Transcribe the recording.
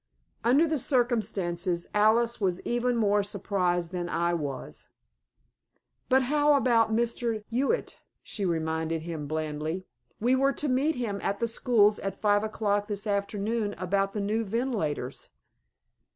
Under the circumstances Alice was even more surprised than I was. "But how about Mr. Hewitt?" she reminded him blandly. "We were to meet him at the schools at five o'clock this afternoon about the new ventilators."